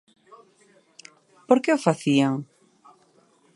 ¿Por que o facían?